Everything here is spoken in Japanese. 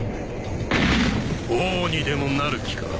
王にでもなる気か？